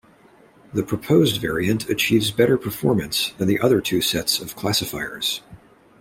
The proposed variant achieves better performance than the other two sets of classifiers.